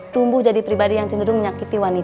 tumbuh jadi pribadi yang cenderung menyakiti wanita